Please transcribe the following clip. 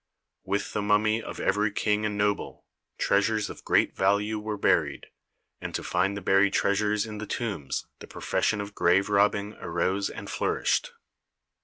With the mummy of every king and noble, treasures of great value were buried, and to find the buried treasures in the tombs the profession of grave robbing arose and flourished.